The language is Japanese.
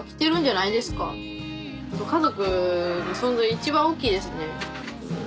家族の存在一番おっきいですね。